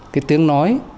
cái tiếng nói